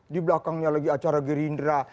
di belakangnya lagi acara gerindra